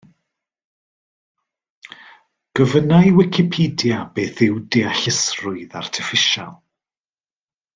Gofynna i Wicipedia beth yw Deallusrwydd Artiffisial?